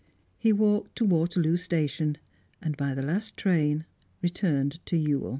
He walked to Waterloo Station, and by the last train returned to Ewell.